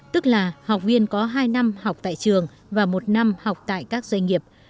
tức là học viên có hai năm học tại trường và một năm học tại các doanh nghiệp